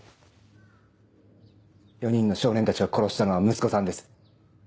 ４人の少年たちを殺したのは息子さんです。